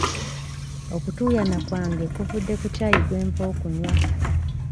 Okutuuyana kwange kuvudde ku ccaayi gwe nva okunywa.